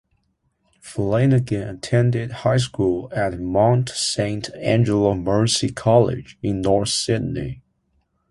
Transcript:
Flanagan attended high school at Monte Sant' Angelo Mercy College in North Sydney.